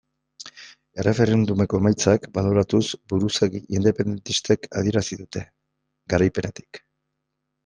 Erreferendumeko emaitzak baloratuz buruzagi independentistek adierazi dute, garaipenetik.